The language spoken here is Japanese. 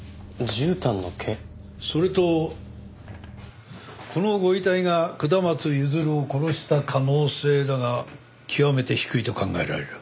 それとこのご遺体が下松譲を殺した可能性だが極めて低いと考えられる。